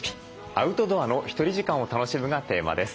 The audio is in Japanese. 「アウトドアのひとり時間を楽しむ」がテーマです。